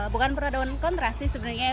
bukan pro dan kontra sih